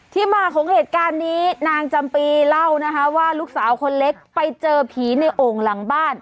ที่มาของเหตุการณ์นี้นางจำปีเล่านะคะว่าลูกสาวคนเล็กไปเจอผีในโอ่งหลังบ้าน